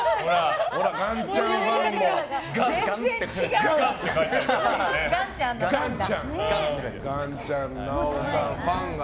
ほら、岩ちゃんファンも。